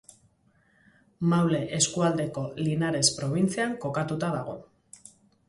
Maule eskualdeko Linares probintzian kokatuta dago.